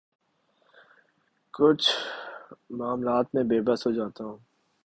کچھ معاملات میں بے بس ہو جاتا ہوں